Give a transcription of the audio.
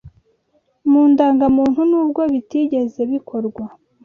mu ndangamuntu n’ubwo bitigeze bikorwa